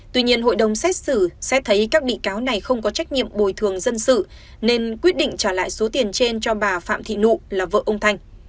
tuy nhiên hội đồng xét xử xét thấy các bị cáo này không có trách nhiệm bồi thường dân sự nên quyết định trả lại số tiền trên cho bà phạm thị nụ là vợ ông thanh